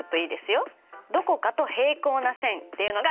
どこかと平行な線っていうのがヒントです。